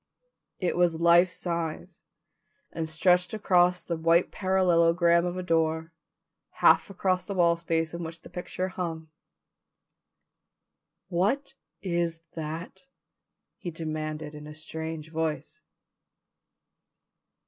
It was life size and stretched across the white parallelogram of a door, half across the wall space on which the picture hung. "What is that?" he demanded in a strange voice.